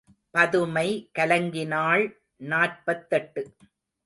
பதுமை கலங்கினாள் நாற்பத்தெட்டு.